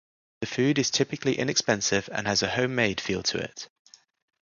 The food is typically inexpensive and has a 'homemade' feel to it.